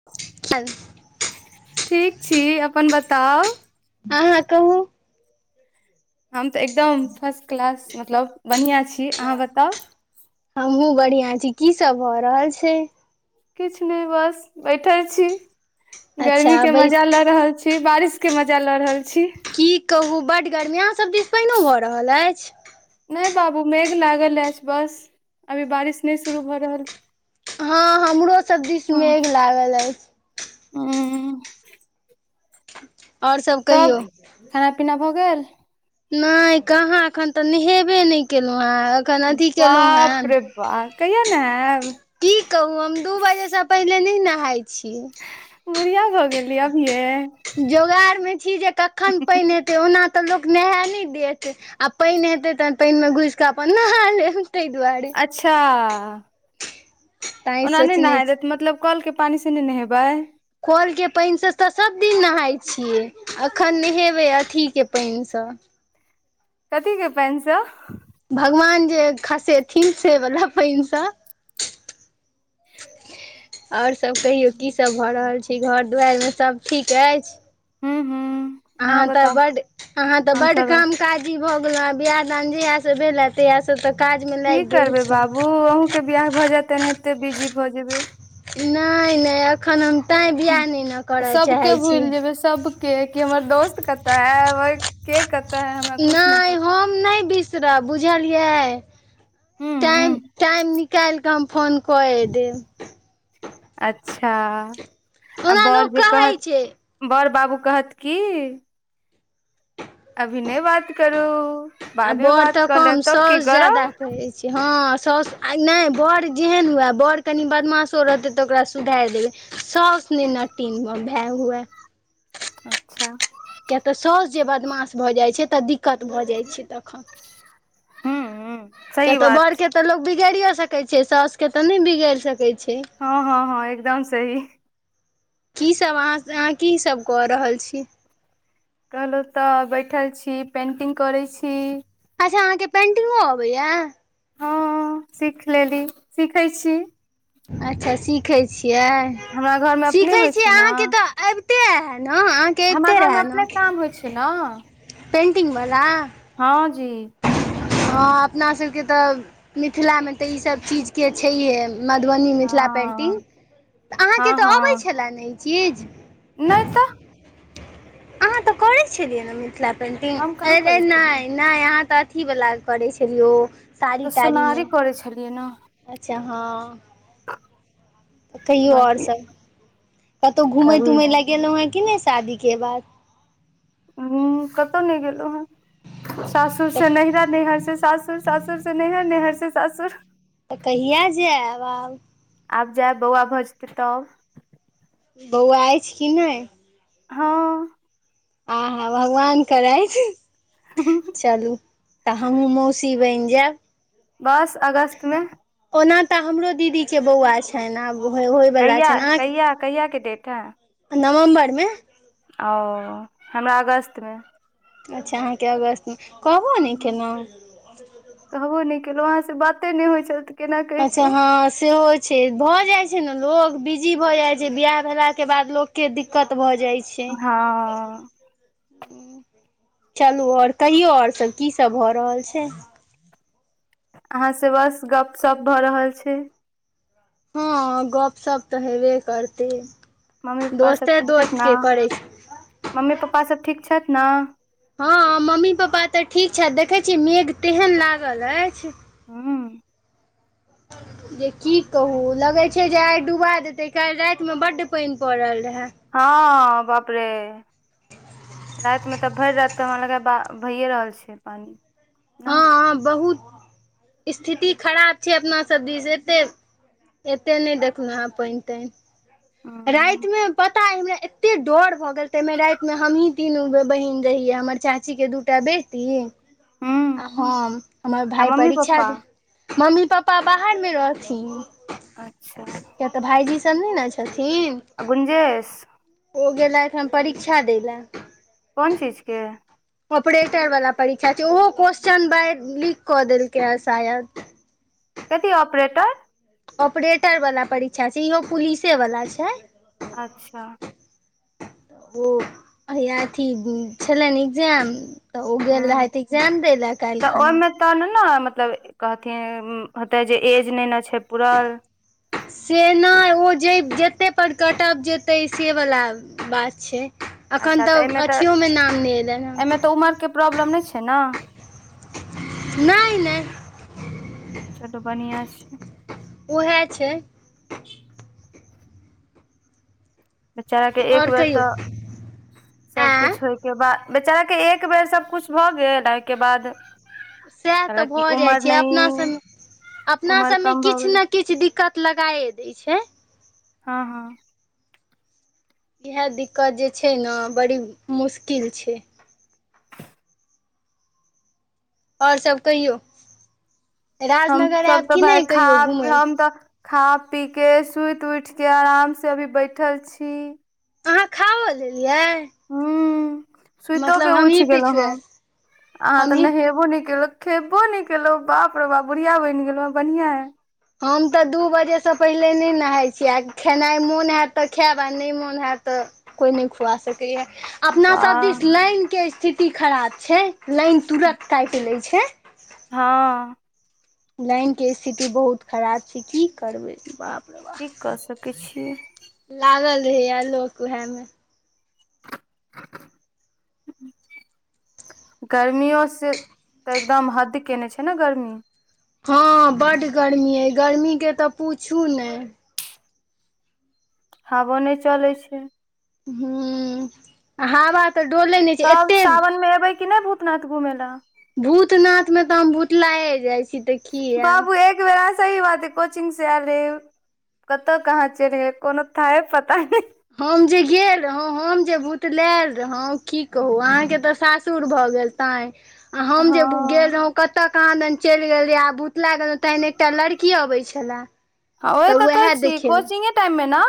[unintelligible] ठीक छी, अपन बताउ आहां कहु हम त एकदम फर्स्ट क्लास मतलब बह्निया छी, अहाँ बताउ हमहु बढ़ियां छी की सब भ रहल छै किछ नै बस बैठै छी, गर्मी अच्छा के बैस मजा ल रहल छी। फिर बारिश के मजा ल रहल छी। की कहू बड्ड गर्मी, आहां सब दिस पैनो भ रहल ऐछ। नै बाबू मेघ लागल ऐछ बस, अभी बारिश नै शुरू भ रहल हं हमरो सब दिस मेघ लागल ऐछ। हूं और सब कहियौ खेनाई पीनाई भऽ गेल नै काहाँ एखन तऽ नहेबे नै केलहुँ हे बाप रे बा कहिया नेहेब की कहू हम दू बजे से पहिले नै नहाए छीयै। बुढ़िया भऽ गेलियै अभिये जोगाड़ में छी जे कखन पैन ए ओना तऽ लोक नेहे नै देत आ पानि हेते तहन पानि मे घुसिकऽ अपन नहा लेब ताहि दुआरे अच्छा तैं ओना नहि सोचने नहाय छी देत मतलब कलके पानि से नै नहेबै कल के पानि सँ तऽ सभ दिन नहाय छियै अखन नहेबै अथीके पानि सँ कथि केऽ पानि स ‌ भगवान जे खसेथिन से बला पानि स ह और सब कहियौ की सब भऽ रहल छै घर दुआर मे सभ ठीक अइछ हूं हूं अहाँ तऽ बड्ड अहाँ तऽ बड्ड काम काजी भऽ गेलहुँ बिआह दान जहिया सँ भेलेथ तहिया सऽ तऽ काजमे लाइग गेल छी फेर बियाह भऽ जेत तऽ एनेहते बिजी भऽ जेबै नहि नहि एखन हम तैं बियाह नहि ने करय चाहै छी सब के कि हमर दोस्त कतऽ हे ऐ के कत नहि हम नहि बिसरब बुझलियै टाइम- हूँ टाइम निकाल कऽ हम फोन कऽये देब अच्छ [inaudible] आ ओना बड़ लोक जे कहै कहत छै बड़ बाबू कहत की अभी नै बात करू आ बादमे बड़ बात तऽ कऽ कम लेब तब की साउस ज्यादा करब कहै हँ सौस आ नै बड़ जेहन हुए बड़ कनि बदमाशो रहतै तऽ ओकरा तऽ सुधार देबै सौस नै नटीन भय हुएै अच्छ किय तऽ सौस जे बदमाश भऽ जाइत छै तऽ दिक्कत भऽ जाइत छै तखन [inaudible] हू हू किया तऽ बड़ के तऽ लोग बिगाड़ियो सकैत छै सौस के तऽ नहि बिगाड़ सकैत छै हँ हँ हँ एकदम सही की सब अहाँ अहाँ की सब कऽ रहल छी कहलहुँ तऽ बैठल छी पेन्टिंग करै छी अच्छ अहाँ केँ पेंटिंगो अबैया हँ सीख लेली सीखै छी अच्छ सीखै छियै हमरा घरमे [inaudible] अपने सीखै होइ छियै छै ने अहाँकेँ तऽ अबिते ऐहा नऽ हमरा घरमे अपने काम होइ छै नऽ [inaudible] पेंटिंग वला हँ जी [unintelligible] हँ अपना सबकेँ तऽ मिथिलामे तऽ इ सभ चीज केँ छैहे मधुबनी मिथिला हँ पेन्टिंग [inaudible] तऽ हँ अहाँकेँ तऽ अबै हँ छलए ने इ चीज नहि तऽ अहाँ तऽ करै छलियै नऽ मिथिला हम पेन्टिंग कहाँ अरे करै छलियै नहि नहि अहाँ तऽ अथीवला करै छलियै ओ तऽ साड़ी सोनारी ताड़ीमे करै छलियै नअ अच्छ हँ कहियौ और बाँकी सभ [inaudible] कतौअ घूमै अभी तूमय गेलौह कि नहि शादी केँ बाद हॅं कतौअ नहि गेलहु हॅं [inaudible] सासुर से तऽ नैहरा नैहर से सासुर सासुर से नइहर नइहर से सासुर तऽ कहिआ जैब आब? आब जैब बौआ भऽ जेतै तब बौआ अछि कि नै हँ आ हाँ भगवान करैत चलू तऽ हमहुँ मौसी बन जैब बस अगस्त मे। ओना तऽ हमरो दीदी केँ बौआ छैने आब होइ बला कहिया छैन कहिया कहियाके डेट है आहाँकेँ [inaudible] नवम्बर मे ओ हमरा अगस्तमे। अच्छ अहाँकेँ अगस्तमे कहबौ नहि केनौ कहबो नहि केलों अहाँ से बाते नहि होइ छल तऽ केना अच्छ कहितहुँ हँ से हो से भऽ जाइ छै ने लोक बिजी भऽ जाइत छै बिआह भेलाकेँ बाद लोककेँ दिक्कत भऽ जाइत छै। हँ चलू और कहियो और सब की सब भऽ रहल छै? अहाँ सऽ बस गप सप भऽ रहल छै। हँ गपशप तऽ हेबे करते मम्मी पप्पा सब दोस्ते ठीक छथि दोस्त ने के करे छै। मम्मी पप्पा सब ठीक छथि न हँ मम्मी पापा तऽ ठीक छथि देखै छिए मेघ तेहन लागल अछि हू [inaudible] जे की कहू लगै छै जे आइ डुबा देतै काल्हि रातिमे बड्ड पानि पड़ल रहैय हँ बाप रे रातिमे तऽ भरि राति तऽ हमरा लगेय भैए रहल छै पानि। ने हँ बहुत स्थिति खराब छै अपना सब दिस एते एते नहि देखलहु हँं पानि तानि। राति हूँ मे पता हमरा एते डर भऽ गेल तेमे राति मे हमही तीनू बहिन रहियै हमर चाचि चाची के दूटा बेटी हूँ आ हम हमर आ भाय मम्मी परीक्षा पप्पा दे मम्मी पापा बाहरमे रहथिन अच्छा किए तऽ भाइजी सब नहि नऽ छथिन। अऽ गुनजेस ओ गेलैथ हयऽ परीक्षा दै लए। कोन चीजके? ऑपरेटर वला परीक्षा छै ओहो क्वेशचन ब लीक कऽ देलकै हन शायद कथी ऑपरेटर? ऑपरेटर वाला परीक्षा छै इहो पुलिसे वला छै। अच्छा ओ अथी छलनि एक्जाम तऽ ओ गेल रहथि एग्जैाम दै ले काल्हि खना। त ने ने मतलब कहथिन होते जे एज ने ने छै पूरल। से नहि ओ जे जतेक पर कटब जेतै से वला बात छै। एखन तऽ अथियोमऽ नाम नहि एलनि एहिमे हे। तऽ उमरके प्रॉब्लम नहि छै नऽ? नहि नहि तब तऽ बढ़िया छै ओहै छै। बेचारा कऽ एक आओर बेर कहियौ तऽ सब आँ कुछ होय अइके बाद बेचारा के एक बेर सबकुछ भऽ गेल ओहिके बाद सएह तऽ कहलक कि भऽ जाइत उमर छै अपना नहि सभमे अपना उमर सभमे कम भऽ किछ गेलै ने किछ दिक्कत लगाए दय छै हँ हँ इहै दिक्कत जे छै नऽ बड़ी मुश्किल छै और सब कहियौ हम राजनगर सब आयब तऽ कि भाय नहि खा कहियो पी घुमय लए हम तऽ खा पीकेऽ सुयत उयठके आरामसँ अभी बैठल छी अहाँ खाओ लेलयै हुं सुयतो के उयठ गेलौं पिछुआएब हम अहाँ तऽ हमही नहेबो नऽ केल खेबो नै केलौं बाप रो बाप बुढ़िया बइन गेलों हं बढ़िया यऽ हम तऽ दू बजेसँ पैहले नै नहाय छी आ खेनाइ मोन हाइत तऽ खायब आ नै मोन हायत तऽ कोइ नै खुआ सकैया अपनासभ वाह दिस लाइनके स्थिति खराब छै लाइन तुरत कायट लै छै हँ लाइन के स्थिति बहुत खराब छै की करबै बाप रे बा की कऽ सकय छियै लागल रहैया लोक उहै मे [inaudible] गर्मियों से तऽ एकदम हद केन्ने छै न गर्मी हँ बड गर्मी अइ गर्मीके तऽ पूछू नै हावो नै चलै छै हूं आ हावा त डोलय नै तब सावन मे एबै की नै भूतनाथ घूमय लऽ भूतनाथ मे तऽ हम भूतलाये जाइ छी तै बाबू एक बेेरा से सही बात अय कोचिंग सॅं आयल रैहये कतऽ कहाँ चैल गेलयै कोनो थाये पता नय हम जे गेल रहूं हम जे भुतलैल रहूं की कहूं अहाँके तऽ सासुर भऽ गेल तांय आ हम हँ जे गेल रहूं कतऽ कहाँदन चइल गेल रहूं आब भूतलै गेलूं तहन एकटा लड़की अबै छला हां ओही तऽ कहै छी कोचिंगे टाइम मे न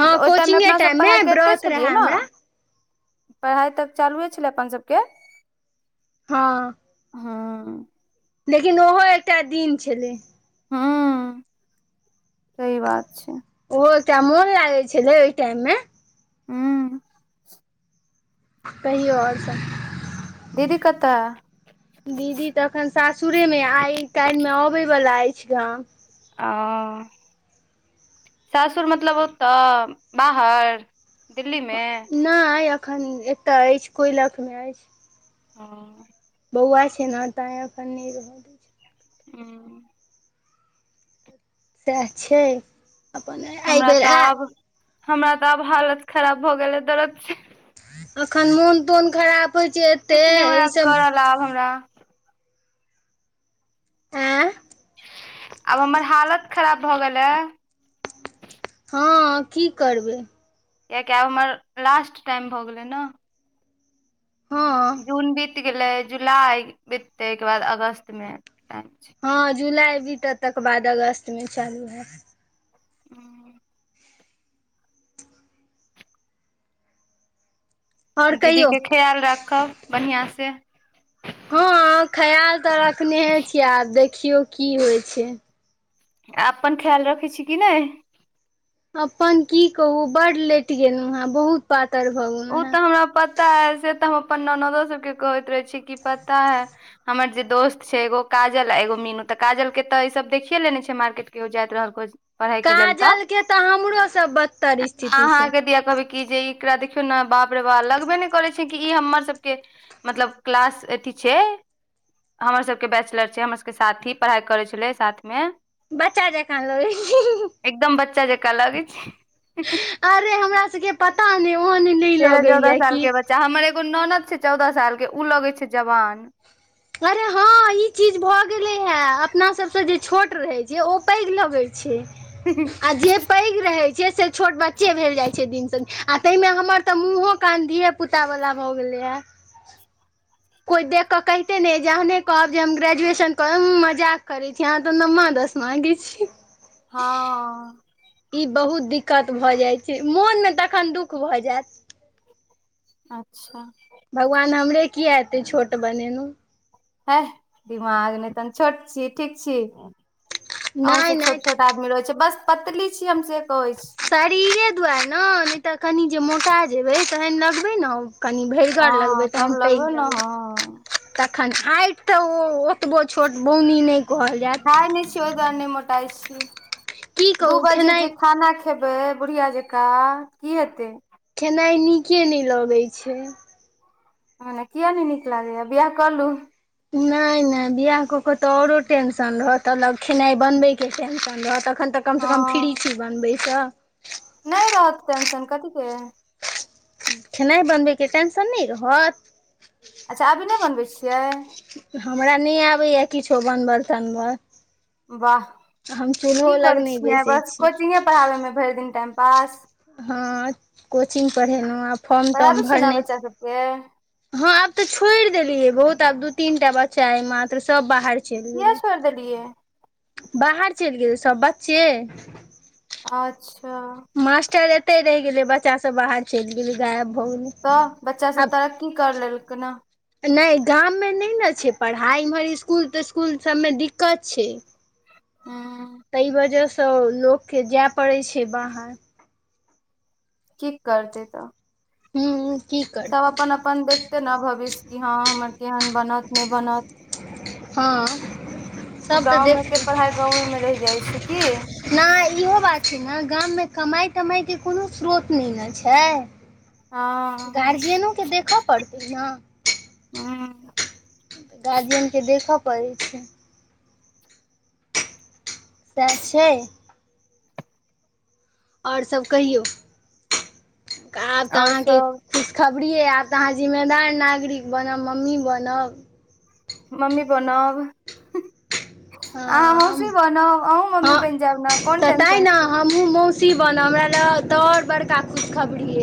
हँ मतलब ओय टाइममे कोचिंगे अपनासभ टाइम मे पढ़ाइ करिते व्रत छलियै रहए न हमरा पढ़ाइ तब चालुए छलै अपन सभकें हँ हूं लेकिन ओहो एकटा दिन छलै हूं सही बात छै ओहो एकटा मोन लागै छलै ओय टाइम मे हूं कहियो और सभ दीदी कतऽ हे दीदी तऽ अखन सासुरे मे आइ काल्हि मे अयबे वला अइछ गाम आ सासुर मतलब ओतऽ बाहर दिल्ली मे नय अखन एतऽ अइछ कोयलख मे अइछ हं बौआ छै न तैंय अखन नै रहऽ त हूं सेह छै अप्पन हमरा अयबेर तऽ आयत आब हमरा तऽ आब हालत खराब भऽ गेले दरद से अखन मोन तोन खराब होइ छै ए किछ नय होय या करल आब हमरा ऐं आब हमर हालत खराब भऽ गेल हे हँ की करबै कियाकी आब हमर लास्ट टाइम भऽ गेलै न हँ जून बीत गेलै जुलाई बीततय अयकेँ बाद अगस्त मे टाइम छै हँ जुलाई बीतत तकर बाद अगस्त मे चालू है तऽ [inaudible] आओर दीदी कहियौ केँ ख्याल राखब बढ़ियाॅं से हँ ख्याल तऽ रखनेहे छियै आब देखियौ की होइ छै अपन ख्याल रखै छी कि नै अपन की कहू बड लैट गेलुहॅं है बहुत पातर भऽ गे ओ तऽ हमरा पता है से तऽ हम अप्पन ननदो सबकेँ कहैत रहे छी कि पता है हमर जे दोस्त छै एगो काजल आ एगो मीनू तऽ काजल केँ तऽ ई सब देखिये लेने छै मार्केट कैहयो जाइत रहल पढ़ाई के लेल तऽ काजलके हमरोसँ [inaudible] बदतर स्थिति छै अहाँकेँ दिया कहबै कऽ जे एकरा देखियो बाप रे बाप लगबे नै करै छै की इ हमर सबकेँ मतलब क्लास अथी छै हमर सबकेँ बैचलर छै हमर सबकेँ साथी पढ़ाई करै छलै साथ में बच्चा जेकाॅं लगै छी [unintelligible] एकदम बच्चा जेकाँ लगै छी [unintelligible] अरे हमरा सब केँ पता नै ओहन न लगे यऽ की चा हमर एगो ननद छै चौदह साल के उ लगे छै जवान अरे हँ इ चीज भऽ गेले हे अपना सबसे जे छोट रहै छै ओ पैघ लगे छै [inaudible] आ जे पैघ रहै छै से छोट बच्चे भेल जाइ छै दिनसँ दि आ तै मऽ हमर तऽ मुँहो कान धिये पुता वला भऽ गेलै है कोई देख के कहिते ने यऽ जहने कहब जे हम ग्रेजुएशन करब उंम्म मजाक करै छी अहाँ तो नम्मा दसवां [unintelligible] छी हँ इ बहुत दिक्कत भऽ जाय छै मोन मे तखन दुख भऽ जैत अच्छ भगवान हमरे किया एतै छोट बनेनु है दिमाग नहितन छोट छी ठीक छी अहुॅं नहि से नहि छोट छोट [unintelligible] रहै छै बस पतली छीये हम से कहै छी शरीरे दुवारे न नै तऽ कनि जे मोटा जेबै तहन लगबै न कनि भरिगर लगबै हँ तब तहन पैघ ने लगबै हँ तखन हायट तऽ ओ ओतबो छोट बौनी नै खाय नै छीये ओय दुवारे नय मोटाइ छी की [inaudible] दू कहू बजे जे खेनाइ खाना ख खेबै बुढ़िया जेकाँ की हेतै खेनाए नीके नै लगै छै खाना किया नै नीक लागैय बियाह को लूँ [unintelligible] नै नै बियाह कऽ कऽ तऽ औरो टेंशन रहत तऽ ल खेनाइ बनबै केँ टेंशन रहत एखन तऽ कम सँ कम फ्री छी बनबैसँ नै रहत टेंशन कथी केँ खेनाए बनबै केँ टेंशन नै रहत अच्छ अभी नै बनबै छियै हमरा नय आबैया किछो बनबऽ तनबऽ वाह तऽ की लग करै नहि छियै बैसै बस छी कोचिंगे पढ़ाबे मे भरि दिन टाइम पास हँ कोचिंग पढ़ेलहुँ आ फॉर्म पढ़ाबै तर्म ने भरने बच्चा छियै हँ आब तऽ छोड़ि देलीयै बहुत आब दू तीन टा बच्चा अय मात्र सब बाहर चलि किया गेलै छोईर देलियै बाहर चलि गेल सब बच्चे अच्छा मास्टर एते रहि गेले बच्चा सब बाहर चलि गेले गायब भ गेले तऽ बच्चा सब तरक्की कर लेलकै न नहि गाममे नहि ने छै पढ़ाइ इम्हर इसकुल तिस्कुल सबमे दिक्कत छै हू ताहि वजहस लोक के जेय पड़ै छै बाहर की करतै तऽ हूं की सब करतै अपन अपन देखतै न भविष्य कि हँ हमर केहन बनत नै बनत हँ सभ तऽ गाँव मे देख के पढ़ाई गावें मे रहि जाइ छै की नहि इहो बात छै ने गाममे कमाइ तमाइके कोनो स्रोत नै न छै हँ गार्जियनो के देखऽ पड़तै न हूं तऽ गार्जियनके देखऽ पड़ै छै सेह छै आओर सभ कहियौ आब तऽ आओर अहाँके सब खुश खबरी यै आयब तऽ अहाँ जिम्मेदार नागरिक बनब मम्मी बनब मम्मी बनब आंहा हँ हम मौसी बनब कहुं मम्मी बनि जायब ने कोन टेंशन छै हमहु मौसी बनब हमरा ले तो और बड़का खुशखबरी अए